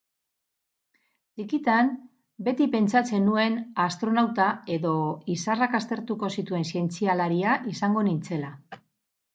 Txikitan, beti pentsatzen nuen astronauta edo izarrak aztertuko zituen zientzialaria izango nintzela.